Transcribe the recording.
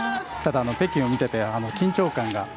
ただ、北京を見ていて緊張感が。